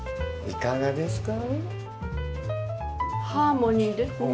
いかがですか？